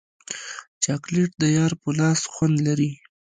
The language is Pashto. چاکلېټ د یار په لاس خوند لري.